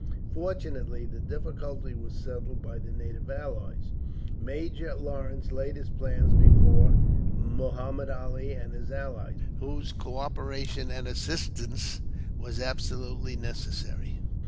Fortunately, the difficulty was settled by the native allies. Major Lawrence laid his plans before Muhammud Ali and his allies, whose cooperation and assistance were absolutely necessary.